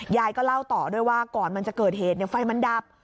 ยายก็เล่าต่อด้วยว่าก่อนมันจะเกิดเหตุไฟมันดับ